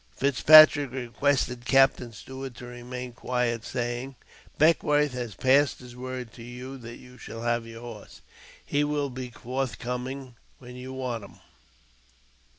Fitzpatrick requested Captain Stuart to remain quiet, saying, '' Beckwourth has passed his word to you that you shall have your horse. He will be forthcoming when you want him."